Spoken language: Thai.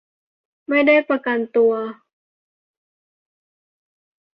ไม่ได้ประกันตัว